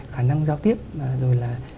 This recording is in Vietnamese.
khả năng giao tiếp rồi là